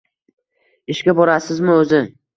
Ishga borasizmi o`zi